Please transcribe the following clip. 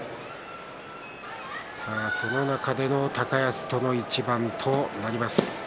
その中での高安との一番となります。